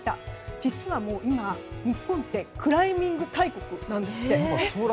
実は今、日本ってクライミング大国なんですって。